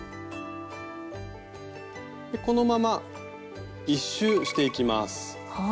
このまま１周していきます。